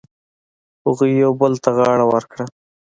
هغوی یو بل ته غاړه ورکړه.